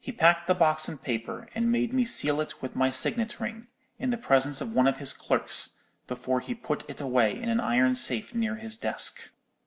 He packed the box in paper, and made me seal it with my signet ring, in the presence of one of his clerks, before he put it away in an iron safe near his desk.